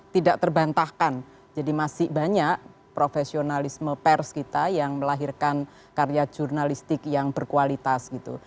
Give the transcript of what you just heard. tidak terbantahkan jadi masih banyak profesionalisme pers kita yang melahirkan karya jurnalistik yang berkualitas gitu